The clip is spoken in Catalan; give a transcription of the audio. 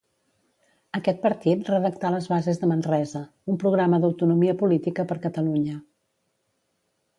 Aquest partit redactà les Bases de Manresa, un programa d'autonomia política per Catalunya.